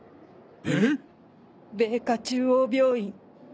えっ⁉米花中央病院。